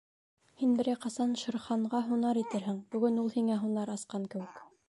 Һин берәй ҡасан Шер Ханға һунар итерһең, бөгөн ул һиңә һунар асҡан кеүек.